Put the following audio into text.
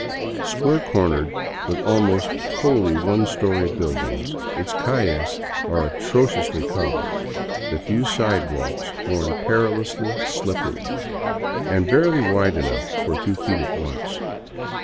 Square cornered, with almost wholly one story buildings, its calles are atrociously cobbled, the few sidewalks worn perilously slippery and barely wide enough for two feet at once.